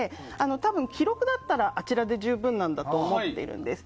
多分、記録だったらあちらで十分だと思っているんです。